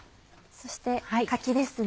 そして柿ですね。